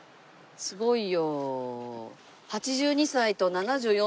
すごいよ。